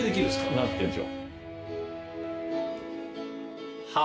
なってんですよ。